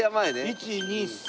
１２３